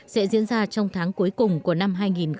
sẽ diễn ra trong tháng cuối cùng của năm hai nghìn hai mươi